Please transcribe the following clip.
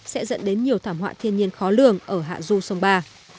sẽ dẫn đến nhiều thảm họa thiên nhiên khó lường ở hạ du sông ba